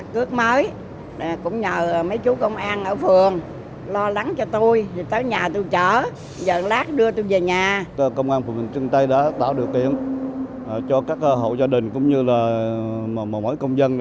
công an phường bình trưng tây đã tạo điều kiện cho các hộ gia đình cũng như là mỗi công dân